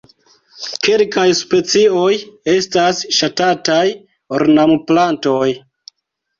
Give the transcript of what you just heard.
Kelkaj specioj estas ŝatataj ornamplantoj.